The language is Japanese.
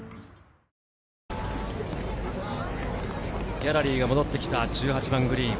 ギャラリーが戻ってきた１８番グリーン。